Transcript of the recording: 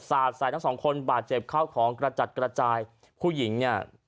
สาดใส่ทั้งสองคนบาดเจ็บเข้าของกระจัดกระจายผู้หญิงเนี่ย